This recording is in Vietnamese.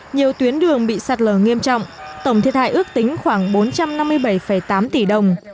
nhiều tuyến đường bị sạt lở nghiêm trọng tổng thiệt hại ước tính khoảng bốn trăm năm mươi bảy tám tỷ đồng